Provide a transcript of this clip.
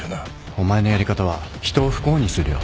お前のやり方は人を不幸にするよ。